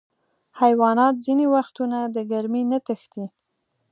حیوانات ځینې وختونه د ګرمۍ نه تښتي.